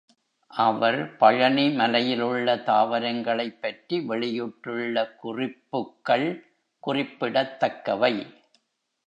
அவர் பழனிமலையில் உள்ள தாவரங்களைப் பற்றி வெளியிட்டுள்ள குறிப்புக்கள் குறிப்பிடத் தக்கவை.